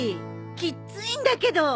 きっついんだけど。